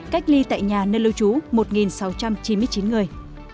cách ly tại nhà nơi lưu trú một sáu trăm chín mươi chín người